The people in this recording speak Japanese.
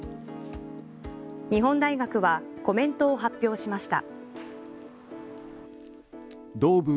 日本大学はコメントを発表しました。